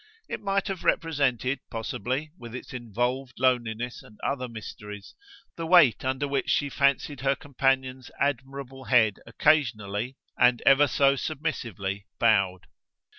It might have represented possibly, with its involved loneliness and other mysteries, the weight under which she fancied her companion's admirable head occasionally, and ever so submissively, bowed.